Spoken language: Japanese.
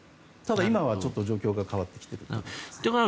ただ、今は状況が変わってきていると。